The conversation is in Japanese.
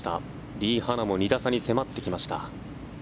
リ・ハナも２打差に迫ってきました。